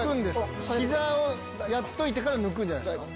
膝をやっといてから抜くんじゃないっすか。